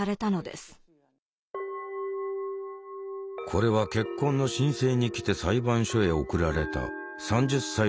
これは結婚の申請に来て裁判所へ送られた３０歳の女性のケース。